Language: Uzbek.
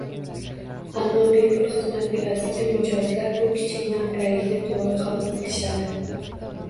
Ammo, bepul xizmat evaziga mijozlar bu kichik noqulaylikni to’g’ri qabul qilishadi